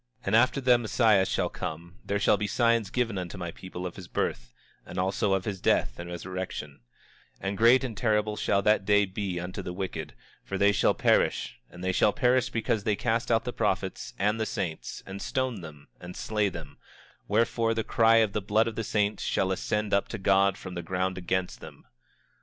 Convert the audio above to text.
26:3 And after the Messiah shall come there shall be signs given unto my people of his birth, and also of his death and resurrection; and great and terrible shall that day be unto the wicked, for they shall perish; and they perish because they cast out the prophets, and the saints, and stone them, and slay them; wherefore the cry of the blood of the saints shall ascend up to God from the ground against them.